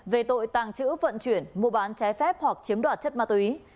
về tội tàng trữ vận chuyển mua bán trái phép hoặc chiếm đoạt chất ma túy